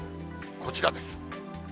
こちらです。